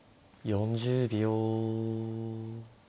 ４０秒。